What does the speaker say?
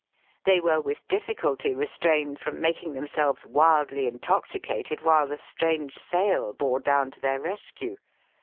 They w re with diliieull.y res! rained from making 1 liem selves wildly intoxicated while the strange s:iil bore down to their rescue.